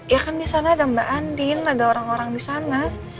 ya kan di sana ada mbak andin ada orang orang di sana